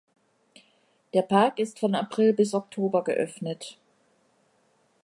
Der Park ist von April bis Oktober geöffnet.